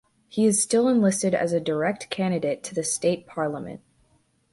He is still enlisted as a direct candidate to the state parliament.